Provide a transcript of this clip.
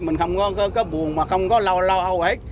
mình không có buồn mà không có lo lo hết